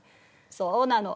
そうなの。